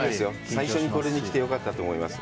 最初にこれに来てよかったと思います。